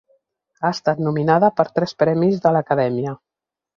Ha estat nominada per a tres premis de l'Acadèmia.